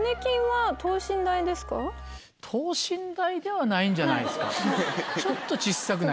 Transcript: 等身大ではないんじゃないですか。